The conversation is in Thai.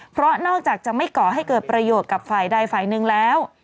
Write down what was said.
เพราะนอกจากจะไม่ก่อให้เกิดประโยชน์กับฝ่ายใดฝ่ายหนึ่งแล้ว